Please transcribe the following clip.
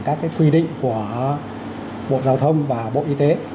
các quy định của bộ giao thông và bộ y tế